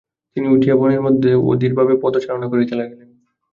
তিনি উঠিয়া বনের মধ্যে অধীর ভাবে পদচারণ করিতে লাগিলেন।